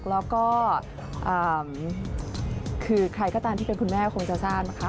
แล้วก็คือใครก็ตามที่เป็นคุณแม่คงจะทราบนะคะ